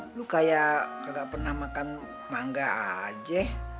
lu kayak gak pernah makan mangga aja